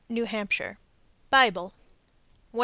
New Hampshire. BIBLE. 183.